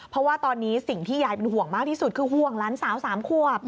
เพราะว่าตอนนี้สิ่งที่ยายเป็นห่วงมากที่สุดคือห่วงหลานสาว๓ขวบ